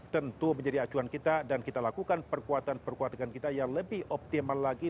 tentu menjadi acuan kita dan kita lakukan perkuatan perkuatan kita yang lebih optimal lagi